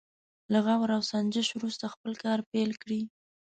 له غور او سنجش وروسته خپل کار پيل کړي.